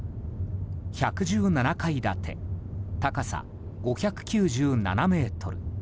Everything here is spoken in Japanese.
１１７階建て、高さ５９７ｍ。